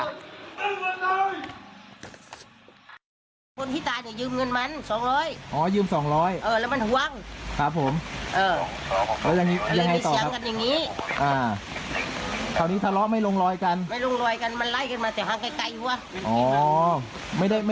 แล้วมันขาขาลี้ขาหลายกันมา